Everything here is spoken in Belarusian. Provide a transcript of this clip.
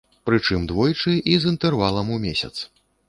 Прычым, двойчы і з інтэрвалам у месяц.